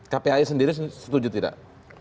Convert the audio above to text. kpi sendiri setuju tidak